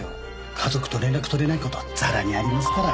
家族と連絡取れない事ザラにありますから。